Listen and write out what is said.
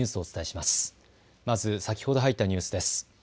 まず先ほど入ったニュースです。